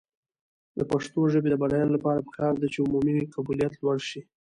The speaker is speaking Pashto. د پښتو ژبې د بډاینې لپاره پکار ده چې عمومي قبولیت لوړ شي.